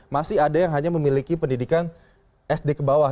masih ada yang hanya memiliki pendidikan sd kebawah